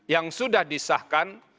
yang sudah disahkan